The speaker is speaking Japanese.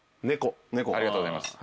ありがとうございます。